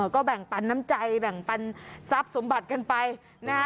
ก็แบ่งปันน้ำใจแบ่งปันทรัพย์สมบัติกันไปนะฮะ